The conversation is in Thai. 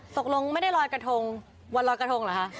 ตกลงไม่ได้ลอยกระทงวันรอยกระทงเหรอคะ